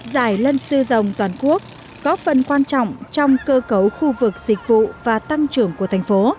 giải ngân sư dòng toàn quốc góp phần quan trọng trong cơ cấu khu vực dịch vụ và tăng trưởng của thành phố